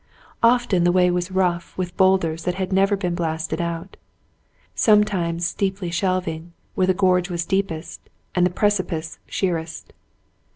Often the way was rough with boulders that had never been blasted out, —■ sometimes steeply shelving where the gorge was deepest and the precipice sheerest.